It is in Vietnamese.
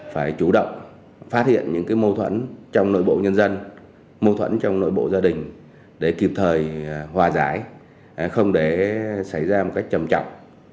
phải chủ động phát hiện những mâu thuẫn trong nội bộ nhân dân mâu thuẫn trong nội bộ gia đình để kịp thời hòa giải không để xảy ra một cách trầm trọng